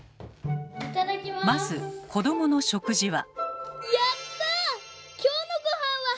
まず子どもの食事は。